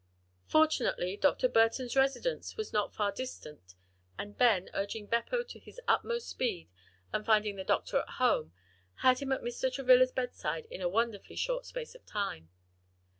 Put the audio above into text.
Fortunately Dr. Burton's residence was not far distant, and Ben urging Beppo to his utmost speed and finding the doctor at home, had him at Mr. Travilla's bedside in a wonderfully short space of time.